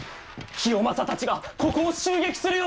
清正たちがここを襲撃するようです！